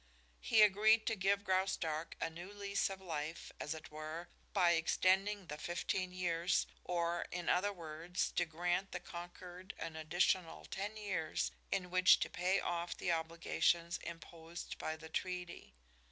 He agreed to give Graustark a new lease of life, as it were, by extending the fifteen years, or, in other words, to grant the conquered an additional ten years in which to pay off the obligations imposed by the treaty.